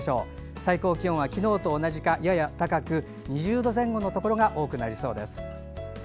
最高気温は、昨日と同じかやや高く、２０度前後のところが多くなりそうです。